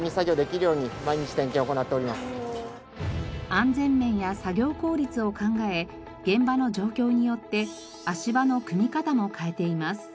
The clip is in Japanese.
安全面や作業効率を考え現場の状況によって足場の組み方も変えています。